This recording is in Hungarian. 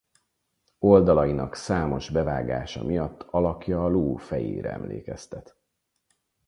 Oldalainak számos bevágása miatt alakja a ló fejére emlékeztet.